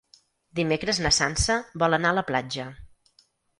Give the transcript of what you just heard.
Dimecres na Sança vol anar a la platja.